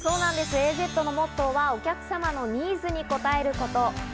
Ａ−Ｚのモットーはお客様のニーズに応えること。